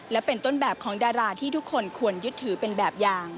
และเป็นต้นแบบของดาราที่ทุกคนควรยึดถือ